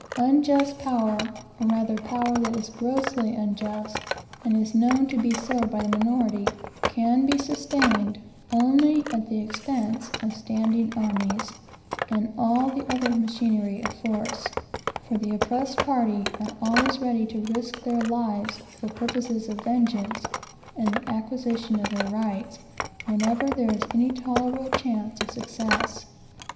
Unjust power, or rather power that is grossly unjust, and that is known to be so by the minority, can be sustained only at the expense of standing armies, and all the other machinery of force; for the oppressed party are always ready to risk their lives for purposes of vengeance, and the acquisition of their rights, whenever there is any tolerable chance of success.